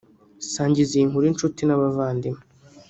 sangiza iyi nkuru inshuti n’abavandimwe